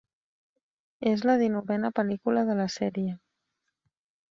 És la dinovena pel·lícula de la sèrie.